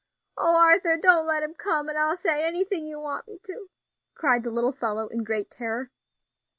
"O Arthur! don't let him come, and I'll say anything you want me to," cried the little fellow in great terror.